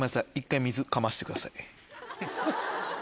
１回水かませてください。